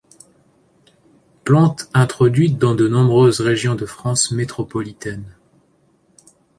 Plante introduite dans de nombreuses régions de France métropolitaine.